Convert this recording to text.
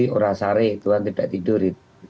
gusti urah sareh tuhan tidak tidur